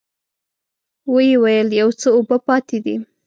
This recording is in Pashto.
ويې ويل: يو څه اوبه پاتې دي.